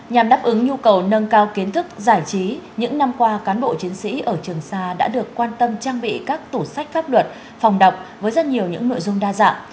nhằm đáp ứng nhu cầu nâng cao kiến thức giải trí những năm qua cán bộ chiến sĩ ở trường sa đã được quan tâm trang bị các tủ sách pháp luật phòng đọc với rất nhiều những nội dung đa dạng